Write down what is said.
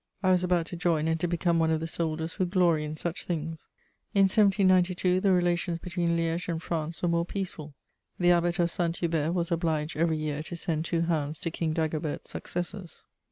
I was about to join and to become one of the soldiers who glory in such things. In 1792, the relations between Liège and France were more peaceful: the Abbot of Saint Hubert was obliged every year to send two hounds to King Dagobert's successors.